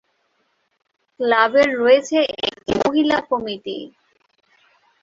ক্লাবের রয়েছে একটি মহিলা কমিটি।